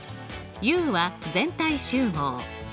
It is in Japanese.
Ｕは全体集合。